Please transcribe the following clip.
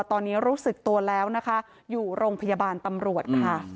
ตอนนี้รู้สึกตัวแล้วนะคะอยู่โรงพยาบาลตำรวจค่ะ